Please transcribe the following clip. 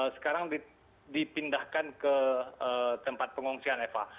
sekarang dipindahkan ke tempat yang tidak ada